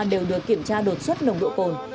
đều được kiểm tra đột xuất nồng độ cồn